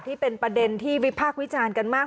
ที่เป็นประเด็นที่วิพากษ์วิจารณ์กันมาก